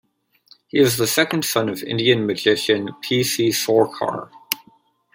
He is the second son of Indian magician P. C. Sorcar.